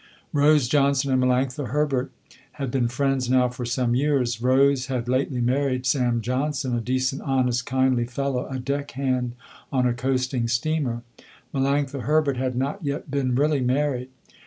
Rose Johnson and Melanctha Herbert had been friends now for some years. Rose had lately married Sam Johnson a decent honest kindly fellow, a deck hand on a coasting steamer. Melanctha Herbert had not yet been really married.